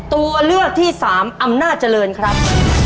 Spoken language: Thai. ตัวเลือกที่สามอำนาจเจริญครับ